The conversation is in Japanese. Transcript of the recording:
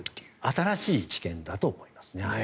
新しい知見だと思います。